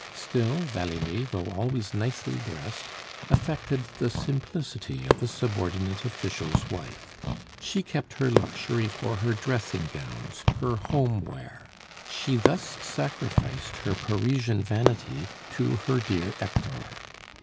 Still, Valerie, though always nicely dressed, affected the simplicity of a subordinate official's wife; she kept her luxury for her dressing gowns, her home wear. She thus sacrificed her Parisian vanity to her dear Hector.